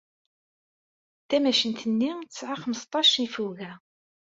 Tamacint-nni tesɛa xmesṭac ifuga.